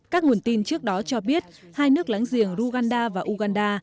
các nguồn tin trước đó cho biết hai nước láng giềng ruganda và uganda